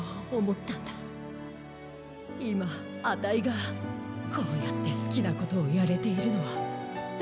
いまあたいがこうやってすきなことをやれているのはだいじなひとと。